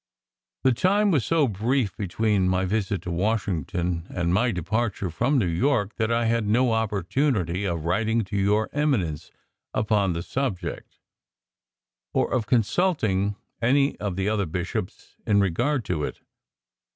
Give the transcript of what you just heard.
The time was so brief between my visit to Washington and my departure from New York that I had no opportunity of writing to your Eminence upon the subject, or of consulting any of the other Bishops in regard to it.